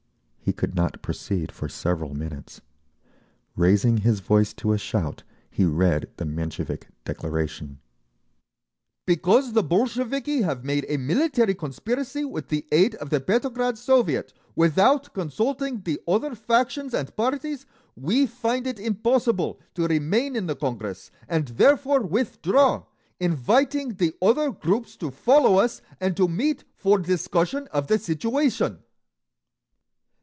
He could not proceed for several minutes. Raising his voice to a shout he read the Menshevik declaration: "Because the Bolsheviki have made a military conspiracy with the aid of the Petrograd Soviet, without consulting the other factions and parties, we find it impossible to remain in the Congress, and therefore withdraw, inviting the other groups to follow us and to meet for discussion of the situation!"